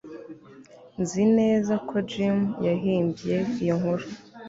nzi neza ko jim yahimbye iyo nkuru